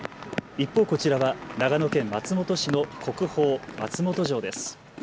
一方、こちらは長野県松本市の国宝松本城です。